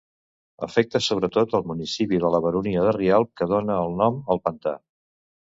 Afecta sobretot al municipi de la Baronia de Rialb, que dóna el nom al pantà.